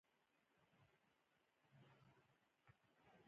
مېز د دسترخوان تکیه ده.